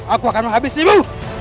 aku akan menghabisimu